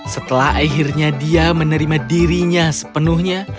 setelah akhirnya dia menerima dirinya sepenuhnya